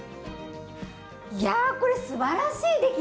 いやこれすばらしい出来ですね。